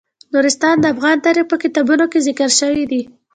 نورستان د افغان تاریخ په کتابونو کې ذکر شوی دي.